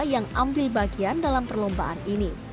yang ambil bagian dalam perlombaan ini